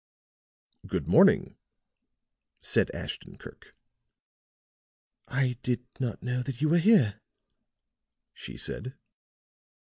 "Good morning," said Ashton Kirk. "I did not know that you were here," she said.